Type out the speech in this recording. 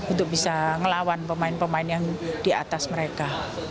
untuk bisa ngelawan pemain pemain yang di atas mereka